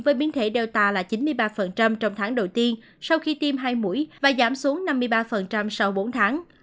với biến thể data là chín mươi ba trong tháng đầu tiên sau khi tiêm hai mũi và giảm xuống năm mươi ba sau bốn tháng